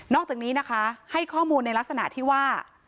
อกจากนี้นะคะให้ข้อมูลในลักษณะที่ว่า